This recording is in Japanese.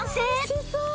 おいしそう！